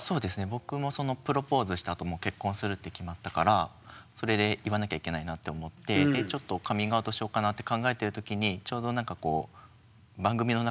僕もプロポーズしたあと結婚するって決まったからそれで言わなきゃいけないなって思ってちょっとカミングアウトしようかなって考えてる時にちょうどなんかこうみたいな話を。